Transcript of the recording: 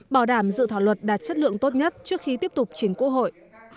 bảo đảm dự thảo luật đạt chất lượng tốt nhất trước khi tiếp tục chính quốc hội